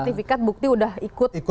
tapi sertifikat bukti sudah ikut bimbingan